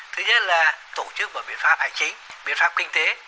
thứ nhất là tổ chức bằng biện pháp hài chính biện pháp kinh tế